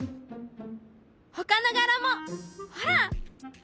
ほかの柄もほら！